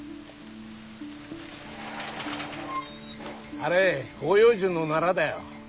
あれ広葉樹のナラだよ。